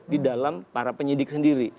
di dalam para penyidik sendiri